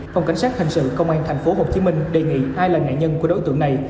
phòng cảnh sát hình sự công an tp hcm đề nghị ai là nạn nhân của đối tượng này